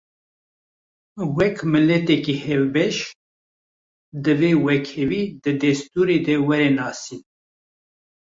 Wek miletekî hevbeş, divê wekhevî di destûrê de were nasîn